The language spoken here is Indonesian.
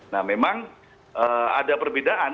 nah memang ada perbedaan